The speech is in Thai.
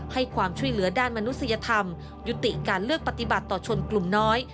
ให้ความช่วยเหลือด้านมนุษยธรรมยุติการเลือกปฏิบัติต่อชนกลุ่มน้อย